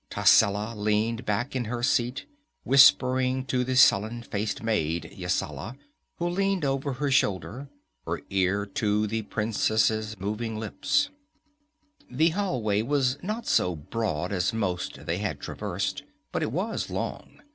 Tascela leaned back in her seat, whispering to the sullen faced maid, Yasala, who leaned over her shoulder, her ear to the princess' moving lips. The hallway was not so broad as most they had traversed, but it was long.